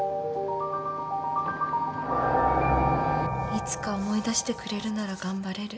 いつか思い出してくれるなら頑張れる。